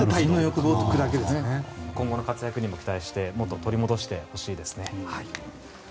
今後の活躍にも期待してもっと取り戻してほしいですね。